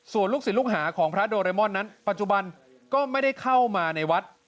ส่วนลูกศิษย์ลูกหาของพระโดเรมอนนั้นปัจจุบันก็ไม่ได้เข้ามาในวัด